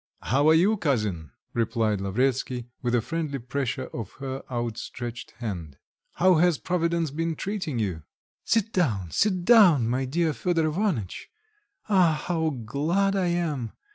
"How are you, cousin?" replied Lavretsky, with a friendly pressure of her out stretched hand; "how has Providence been treating you?" "Sit down, sit down, my dear Fedor Ivanitch. Ah, how glad I am!